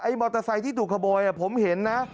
มอเตอร์ไซค์ที่ถูกขโมยผมเห็นนะ